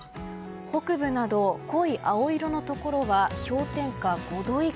北部など濃い青色のところは氷点下５度以下。